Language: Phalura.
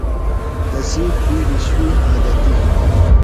تسی بِیڈیۡ شُوئی عادتیۡ ہِنم۔